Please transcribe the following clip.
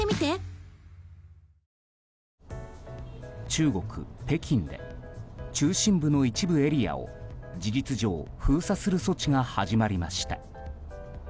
中国・北京で中心部の一部エリアを事実上封鎖する措置が始まりました。